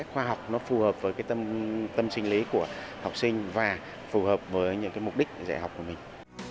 khoa học nó phù hợp với tâm sinh lý của học sinh và phù hợp với những mục đích dạy học của mình